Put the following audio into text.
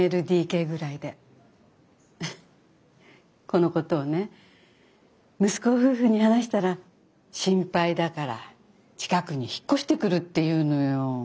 このことをね息子夫婦に話したら心配だから近くに引っ越してくるって言うのよ。